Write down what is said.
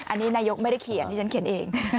อันนี้นายกไม่ได้เขียนที่ฉันเขียนเอง